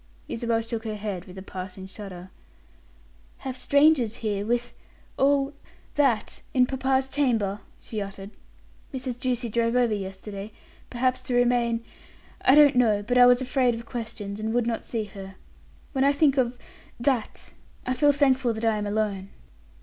Isabel shook her head with a passing shudder. "Have strangers, here, with all that in papa's chamber!" she uttered. "Mrs. Ducie drove over yesterday, perhaps to remain I don't know; but I was afraid of questions, and would not see her. When I think of that I feel thankful that I am alone."